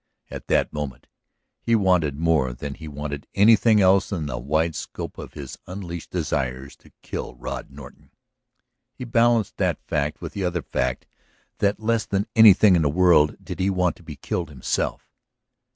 At that moment he wanted, more than he wanted anything else in the wide scope of his unleashed desires, to kill Rod Norton; he balanced that fact with the other fact that less than anything in the world did he want to be killed himself.